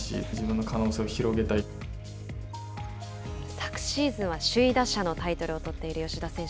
昨シーズンは首位打者のタイトルを取っている吉田選手。